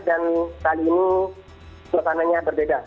dan saat ini selesainya berbeda